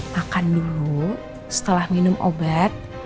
makan dulu setelah minum obat